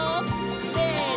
せの！